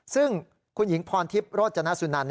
ซึ่งคุณหญิงพรทิพย์โรจนสุนัน